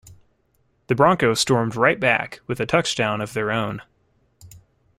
The Broncos stormed right back with a touchdown of their own.